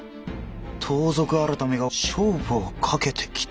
盗賊改が勝負をかけてきた？